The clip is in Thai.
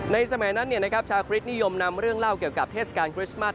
สมัยนั้นชาวคริสนิยมนำเรื่องเล่าเกี่ยวกับเทศกาลคริสต์มัส